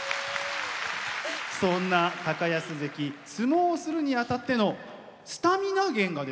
そんな安関相撲するにあたってのスタミナ源がですね